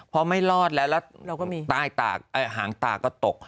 พอไม่รอดแล้วแล้วหางตาก็ตก